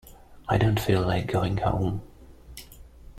I don't feel like going home.